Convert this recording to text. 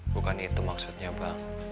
bukan itu maksudnya bang